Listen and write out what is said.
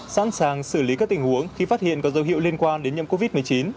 sẵn sàng xử lý các tình huống khi phát hiện có dấu hiệu liên quan đến nhiễm covid một mươi chín